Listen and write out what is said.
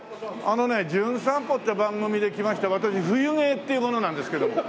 あのね『じゅん散歩』って番組で来ました私フユゲーっていう者なんですけども。